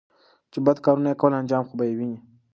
چې بد کارونه يې کول انجام خو به یې ویني